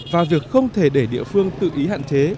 và việc không thể để địa phương tự ý hạn chế